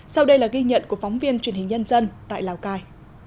sau đây là ghi nhận của phóng viên truyền hình nhân dân tại lào cai